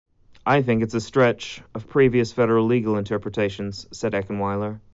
"I think it's a stretch" of previous federal legal interpretations, said Eckenwiler.